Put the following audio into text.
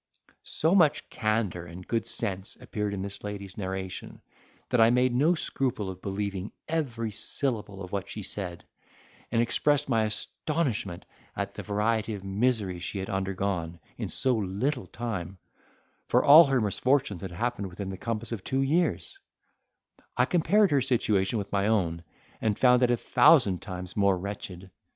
So much candour and good sense appeared in this lady's narration, that I made no scruple of believing every syllable of what she said, and expressed my astonishment at the variety of miseries she had undergone in so little time, for all her misfortunes had happened within the compass of two years; I compared her situation with my own, and found it a thousand times more wretched.